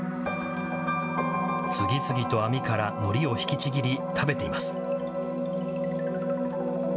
次々と網からのりを引きちぎり食べています。